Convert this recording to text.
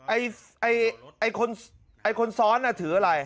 เอยยเอวเอ้ยคร้นซ้อนอ่ะถืออะไร